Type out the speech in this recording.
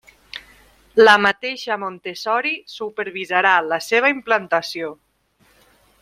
La mateixa Montessori supervisarà la seva implantació.